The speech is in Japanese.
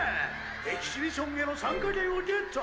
エキシビションへの参加権をゲット！